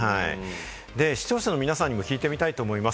視聴者の皆さんにも聞いてみたいと思います。